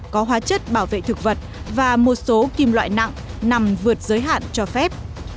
có hóa chất bảo vệ thực vật và một số kim loại nặng nằm vượt giới hạn cho phép